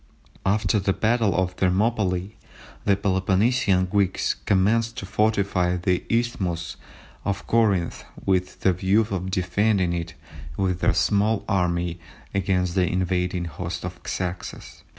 After the battle of Thermopylæ the Peloponnesian Greeks commenced to fortify the isthmus of Corinth with the view of defending it with their small army against the invading host of Xerxes.